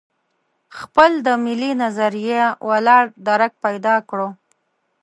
خپل د ملي نظریه ولاړ درک پیدا کړو.